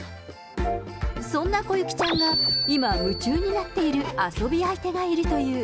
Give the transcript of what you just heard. そんなこゆきちゃんが今、夢中になっている遊び相手がいるという。